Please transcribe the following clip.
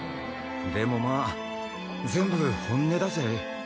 でもまあ全部本音だぜ。